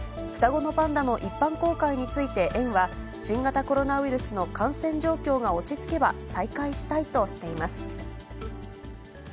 双子のパンダの一般公開について、園は、新型コロナウイルスの感染状況が落ち着けば、再開したいとしています。